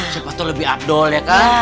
siapa tau lebih abdol ya kan